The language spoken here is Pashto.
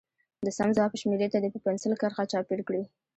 د سم ځواب شمیرې ته دې په پنسل کرښه چاپېر کړي.